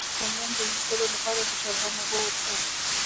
د بلغم د ایستلو لپاره د شلغم اوبه وڅښئ